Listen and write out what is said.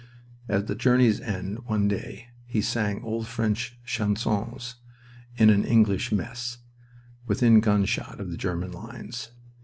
At the journey's end one day he sang old French chansons, in an English mess, within gunshot of the German lines.